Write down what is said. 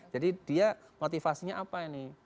jadi dia motivasinya apa ini